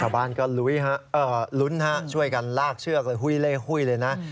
ชาวบ้านก็ลุยฮะลุ้นฮะช่วยกันลากเชือกเลยหุ้ยเล่หุ้ยเลยนะ